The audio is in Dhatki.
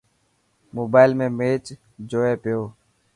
موبائل ۾ ميچ جوئي پيو.